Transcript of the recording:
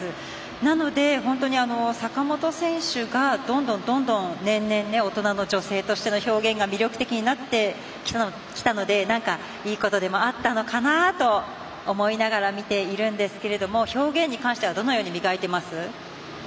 なので、本当に坂本選手がどんどん年々大人の女性としての表現が魅力的になってきたので何かいいことでもあったのかなと思いながら見ているんですけれども表現に関してはどのように磨いています？